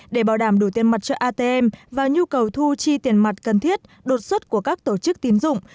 để bảo đảm đủ tiền mặt cho atm và nhu cầu thu chi tiền mặt cần thiết đột xuất của các tổ chức tín dụng